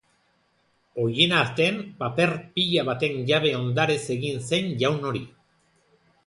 Oihenarten paper pila baten jabe ondarez egin zen jaun hori.